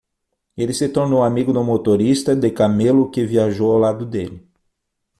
Ele se tornou amigo do motorista de camelo que viajou ao lado dele.